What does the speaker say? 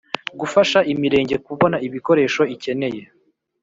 Gufasha imirenge kubona ibikoresho ikeneye